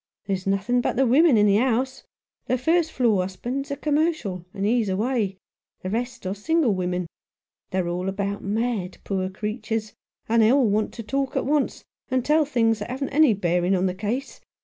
There's nothing but women in the house. The first floor's husband is a commercial, and he's away ; the rest are single women. They're all about mad, poor creatures ; and they all want to talk at once, and tell things that haven't any bearing on the case.